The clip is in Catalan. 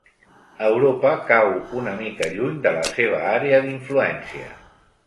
Europa cau una mica lluny de la seva àrea d'influència.